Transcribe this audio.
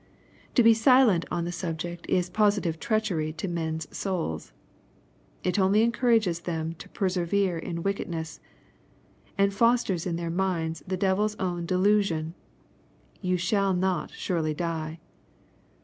To be silent on the subject is positive treachery to men's souls. It only encourages them to persevere in wickedness, and fosters in their minds the devil's old delusion, " Ye shall not surely die."